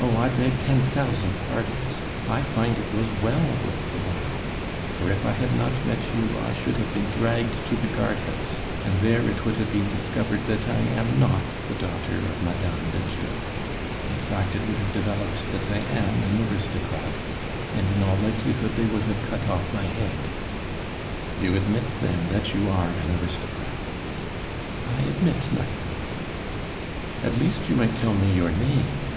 "Oh, I beg ten thousand pardons! I find it was well worth the while; for if I had not met you, I should have been dragged to the guard house, and there it would have been discovered that I am not the daughter of Mme. Ledieu in fact, it would have developed that I am an aristocrat, and in all likelihood they would have cut off my head." "You admit, then, that you are an aristocrat?" "I admit nothing." "At least you might tell me your name."